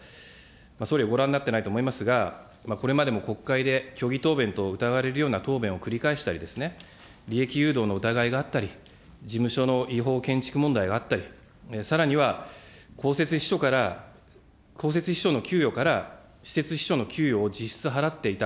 総理はご覧になっていないと思いますが、これまでの国会で虚偽答弁等を疑われるような答弁を繰り返したりですね、利益誘導の疑いがあったり、事務所の違法建築問題があったり、さらには、公設秘書から、公設秘書の給与から私設秘書の給与を実質払っていた。